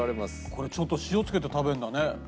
これちょっと塩つけて食べるんだね